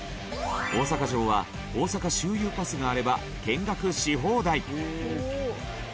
大阪城は大阪周遊パスがあれば見学し放題！